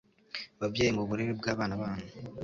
Babyeyi, mu burere bw'abana banyu,